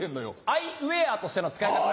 アイウエアとしての使い方。